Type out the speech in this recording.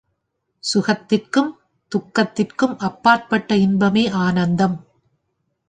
சுகத்திற்கும், துக்கத்திற்கும் அப்பாற்பட்ட இன்பமே ஆனந்தம்.